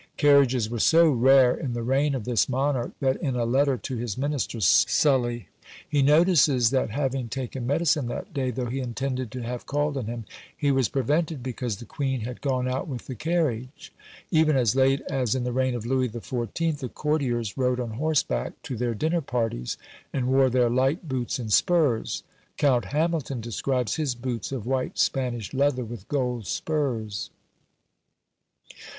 Carriages were so rare in the reign of this monarch, that in a letter to his minister Sully, he notices that having taken medicine that day, though he intended to have called on him, he was prevented because the queen had gone out with the carriage. Even as late as in the reign of Louis XIV. the courtiers rode on horseback to their dinner parties, and wore their light boots and spurs. Count Hamilton describes his boots of white Spanish leather, with gold spurs.